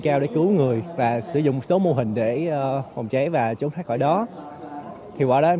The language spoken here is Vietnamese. cao để cứu người và sử dụng một số mô hình để phòng cháy và trốn thoát khỏi đó thì qua đó em